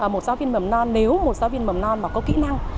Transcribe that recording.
một giáo viên mầm non nếu một giáo viên mầm non mà có kỹ năng